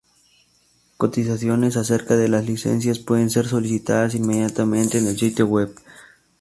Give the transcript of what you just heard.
Cotizaciones acerca de las licencias pueden ser solicitadas inmediatamente en el sitio web.